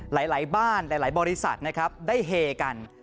หลายบ้านหลายบริษัทนะครับได้เฮกัน